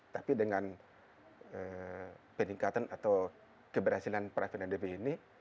tapi dengan peningkatan atau keberhasilan pak vin dan debbie ini